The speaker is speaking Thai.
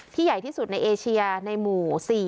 ใหญ่ที่สุดในเอเชียในหมู่๔